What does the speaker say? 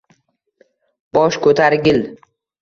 Bosh ko’targil